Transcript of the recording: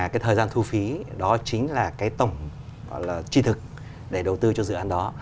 cái thời gian thu phí đó chính là cái tổng chi thực để đầu tư cho dự án đó